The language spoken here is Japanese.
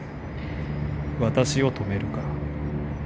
私を止めるか。